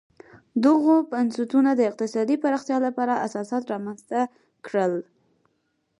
دغو بنسټونو د اقتصادي پراختیا لپاره اساسات رامنځته کړل.